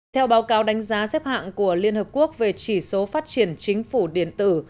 theo báo cáo đánh giá xếp hạng của liên hợp quốc về chỉ số phát triển chính phủ điện tử